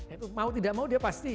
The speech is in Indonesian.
itu mau tidak mau dia pasti